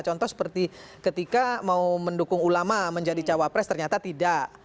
contoh seperti ketika mau mendukung ulama menjadi cawapres ternyata tidak